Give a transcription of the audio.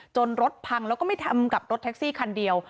รถพังแล้วก็ไม่ทำกับรถแท็กซี่คันเดียว